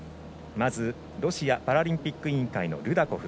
まずロシアパラリンピック委員会のルダコフ。